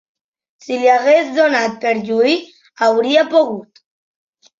Si li hagués donat per lluir, hauria pogut